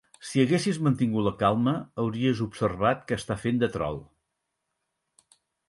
Si haguessis mantingut la calma, hauries observat que està fent de troll.